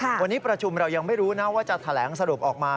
วันนี้ประชุมเรายังไม่รู้นะว่าจะแถลงสรุปออกมา